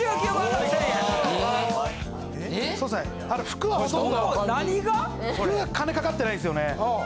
服は金かかってないんですよね。